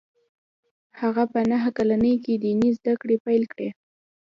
هغه په نهه کلنۍ کې ديني زده کړې پیل کړې